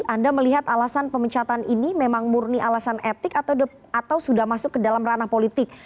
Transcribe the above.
anda melihat alasan pemecatan ini memang murni alasan etik atau sudah masuk ke dalam ranah politik